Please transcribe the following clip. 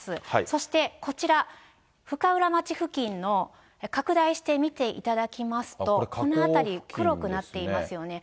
そしてこちら、深浦町付近の拡大して見ていただきますと、この辺り黒くなっていますよね。